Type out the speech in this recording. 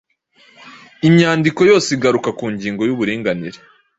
Imyandiko yose igaruka ku ngingo y’uburinganire.